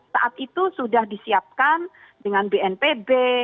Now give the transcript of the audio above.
saat itu sudah disiapkan dengan bnpb